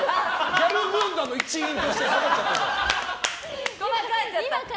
ギャル軍団の一員として下がっちゃって。